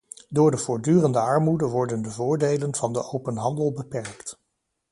Door de voortdurende armoede worden de voordelen van de open handel beperkt.